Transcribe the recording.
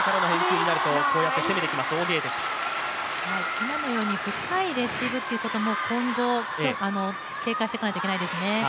今のように深いレシーブということも今後、警戒していかないといけないですね。